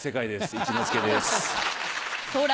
一之輔です。